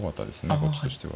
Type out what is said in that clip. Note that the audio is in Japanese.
こっちとしては。